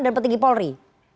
dan petinggi polri